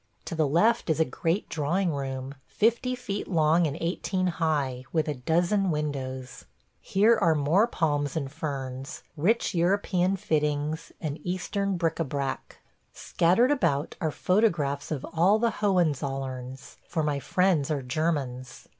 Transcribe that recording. To the left is a great drawing room, fifty feet long and eighteen high, with a dozen windows. Here are more palms and ferns, rich European fittings, and Eastern bric à brac. Scattered about are photographs of all the Hohenzollerns, for my friends are Germans.